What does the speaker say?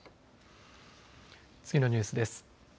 次のニュースです。